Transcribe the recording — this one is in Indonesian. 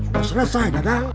udah selesai dadah